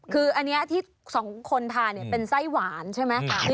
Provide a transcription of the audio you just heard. คืออันนี้ที่สองคนทานเป็นไส้หวานใช่ไหม